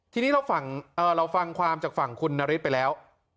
ทีนี้เราฟังความจากฝั่งคุณนฤทธิ์ไปแล้ว